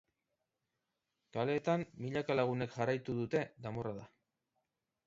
Kaleetan, milaka lagunek jarraitu dute danborrada.